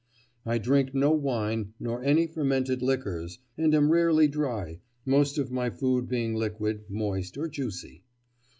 I drink no wine nor any fermented liquors, and am rarely dry, most of my food being liquid, moist, or juicy.